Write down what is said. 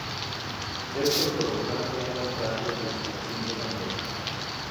Esto por lo tanto da el rango de extracción de la roca.